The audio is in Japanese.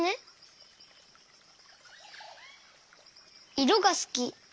いろがすき。